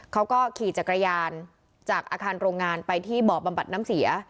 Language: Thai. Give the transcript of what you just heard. เขาก็ขี่จักรยานจากอาคารโรงงานไปที่บ่อบำบัดน้ำเสีย